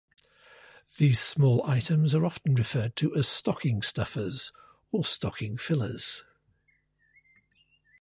These small items are often referred to as stocking stuffers or stocking fillers.